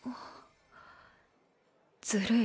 ずるい